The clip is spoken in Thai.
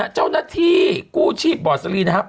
เจ้าหน้าที่กู้ชีพบ่อสลีนะครับ